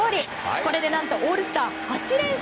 これでオールスター８連勝。